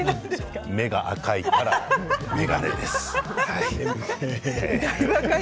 目が赤いので眼鏡です。